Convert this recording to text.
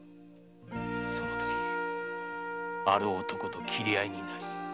その時ある男と斬り合いになり。